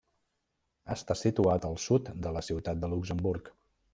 Està situat al sud de la ciutat de Luxemburg.